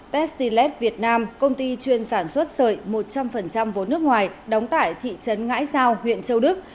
pestilet việt nam công ty chuyên sản xuất sợi một trăm linh vốn nước ngoài đóng tại thị trấn ngãi giao huyện châu đức